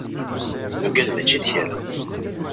Yugad mačči d kra.